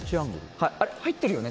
入ってるよね？